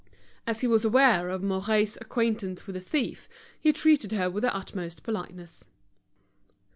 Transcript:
As he was aware of Mouret's acquaintance with the thief, he treated her with the utmost politeness.